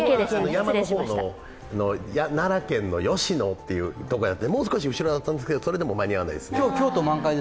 山の方の、奈良県の吉野というところなのでもう少し後ろの方だったんですけどそれでも間に合わないですね。